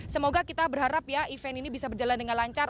semoga kita berharap ya event ini bisa berjalan dengan lancar